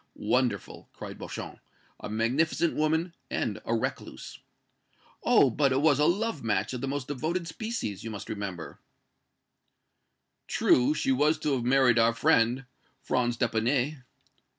"Wonderful!" cried Beauchamp. "A magnificent woman and a recluse!" "Oh! but it was a love match of the most devoted species, you must remember." "True; she was to have married our friend, Franz d'Epinay."